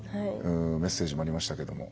メッセージもありましたけども。